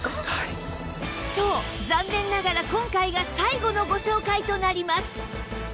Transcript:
そう残念ながら今回が最後のご紹介となります